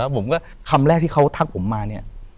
ผมก็คำแรกที่เขาทักผมมาเนี่ย